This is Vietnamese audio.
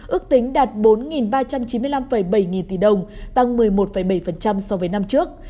ước tính đạt bốn ba trăm chín mươi năm bảy nghìn tỷ đồng tăng một mươi một bảy so với năm trước